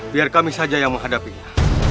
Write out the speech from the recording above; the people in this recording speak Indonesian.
biar kami saja yang menghadapinya